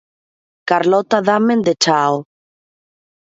Carlota Dahmen de Chao.